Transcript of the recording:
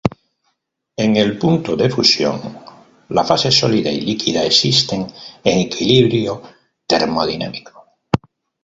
En el punto de fusión, la fase sólida y líquida existen en equilibrio termodinámico.